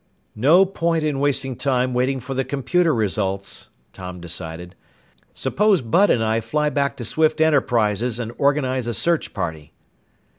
"No point in wasting time waiting for the computer results," Tom decided. "Suppose Bud and I fly back to Swift Enterprises and organize a search party."